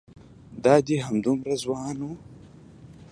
دای همدومره ځوان و.